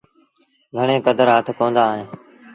گھڻي ڪدر هٿ ڪوندآ ّئيٚن۔